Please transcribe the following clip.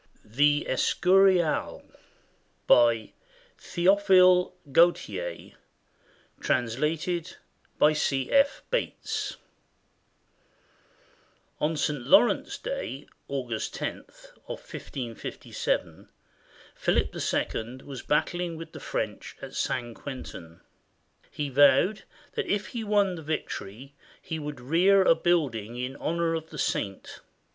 " THE ESCURIAL BY THEOPHILE GAUTIER, TRANSLATED BY C. F. BATES [On St. Laurence's Day, August lo, of 1557, Philip II was battling with the French at St. Quentin. He vowed that if he won the victory, he would rear a building in honor of the saint.